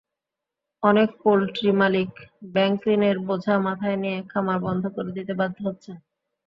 অনেক পোলট্রিমালিক ব্যাংকঋণের বোঝা মাথায় নিয়ে খামার বন্ধ করে দিতে বাধ্য হচ্ছেন।